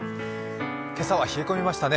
今朝は冷え込みましたね。